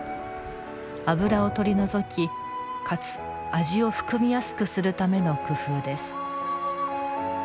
脂を取り除き、かつ味を含みやすくするための工夫です。